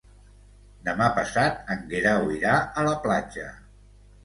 Demà passat en Guerau irà a la platja.